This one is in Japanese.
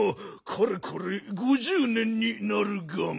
かれこれ５０年になるガン！